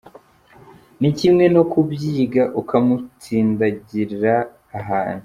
Ni kimwe no kubyiga, ukamutsindagira ahantu.